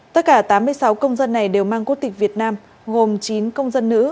tất cả tám mươi sáu công dân này đều mang quốc tịch việt nam gồm chín công dân nữ